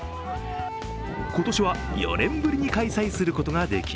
今年は４年ぶりに開催することができ、